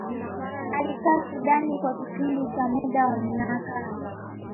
alikaa Sudan kwa kipindi cha muda wa miaka